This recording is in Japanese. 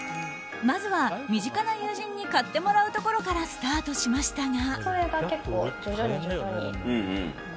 まずは身近な友人に買ってもらうところからスタートしましたが。